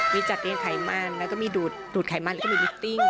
มีจัดเลี้ยงไขมันแล้วก็มีดูดไขมันแล้วก็มีมิตติ้ง